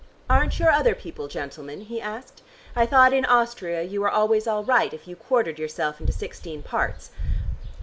"Aren't your other people gentlemen?" he asked. "I thought in Austria you were always all right if you quartered yourself into sixteen parts."